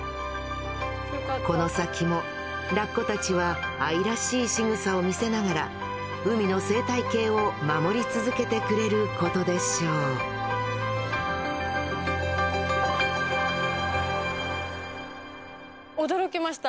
この先もラッコたちは愛らしいしぐさを見せながら海の生態系を守り続けてくれることでしょう驚きました。